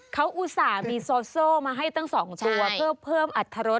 เขาอุตส่าห์มีโซ่มาให้ตั้ง๒ตัวเพื่อเพิ่มอัตรรส